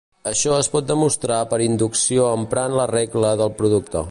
Això es pot demostrar per inducció emprant la regla del producte.